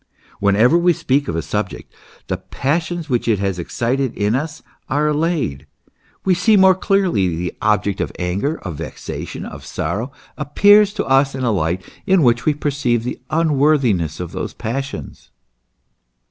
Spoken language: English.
Whenever we speak of a subject, the passions which it has excited in us are allayed ; we see more clearly ; the object of anger, of vexation, of sorrow, appears to us in a light in which we perceive the unworthiness of those passions.